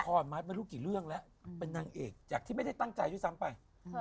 มัดไม่รู้กี่เรื่องแล้วเป็นนางเอกจากที่ไม่ได้ตั้งใจด้วยซ้ำไป